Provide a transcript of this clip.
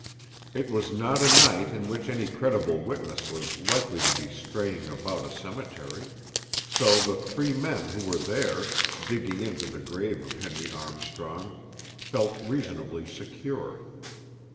It was not a night in which any credible witness was likely to be straying about a cemetery, so the three men who were there, digging into the grave of Henry Armstrong, felt reasonably secure.